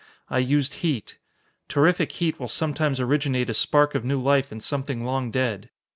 "I used heat. Terrific heat will sometimes originate a spark of new life in something long dead.